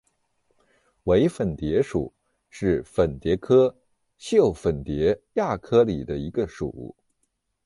伪粉蝶属是粉蝶科袖粉蝶亚科里的一个属。